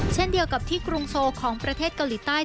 เช่นเดียวกับที่กรุงโซของประเทศเกาหลีใต้